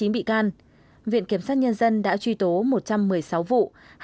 một trăm tám mươi chín bị can viện kiểm soát nhân dân đã truy tố một trăm một mươi sáu vụ